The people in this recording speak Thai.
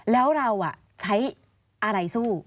แล้วเราใช้อะไรสู้